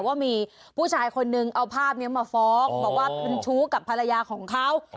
ว่ามีผู้ชายคนนึงเอาภาพนี้มาฟ้องบอกว่าเป็นชู้กับภรรยาของเขา